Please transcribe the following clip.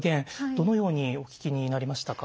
どのようにお聞きになりましたか？